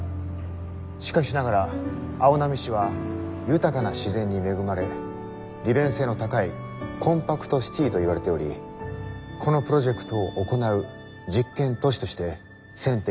しかしながら青波市は豊かな自然に恵まれ利便性の高いコンパクトシティーといわれておりこのプロジェクトを行う実験都市として選定いたしました。